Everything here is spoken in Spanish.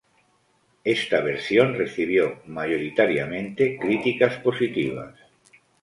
Esta versión recibió mayoritariamente críticas positivas.